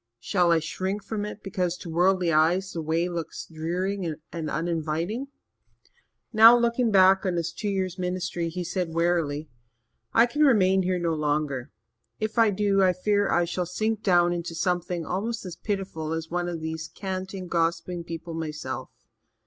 Shall I shrink from it because, to worldly eyes, the way looks dreary and uninviting?" Now, looking back on his two years' ministry, he said wearily: "I can remain here no longer. If I do, I fear I shall sink down into something almost as pitiful as one of these canting, gossiping people myself.